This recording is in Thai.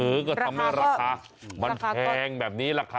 เออก็ทำให้ราคามันแพงแบบนี้ล่ะครับ